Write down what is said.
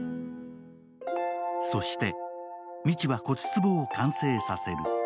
そして道は骨壺を完成させる。